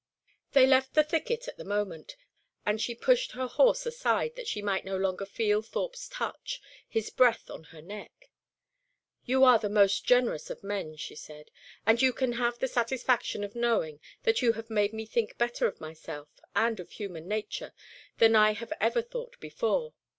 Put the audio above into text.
They left the thicket at the moment, and she pushed her horse aside, that she might no longer feel Thorpe's touch, his breath on her neck. "You are the most generous of men," she said; "and you can have the satisfaction of knowing that you have made me think better of myself and of human nature than I have ever thought before.